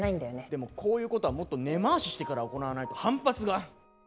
でもこういうことはもっと根回ししてから行わないと反発が。